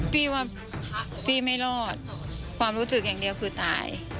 พี่ว่าพี่ไม่รอดความรู้สึกอย่างเดียวคือตาย